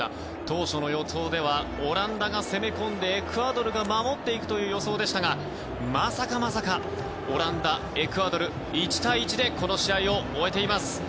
当初の予想ではオランダが攻め込んでエクアドルが守っていくという予想でしたがまさかまさかオランダ、エクアドル１対１でこの試合を終えています。